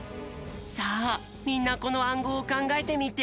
さあみんなこのあんごうをかんがえてみて。